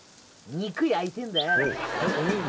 肉焼いてるんだよ。